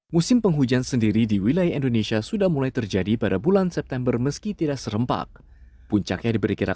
musim penghujan sendiri di wilayah indonesia sudah mulai terjadi pada bulan september meski tidak serempaknya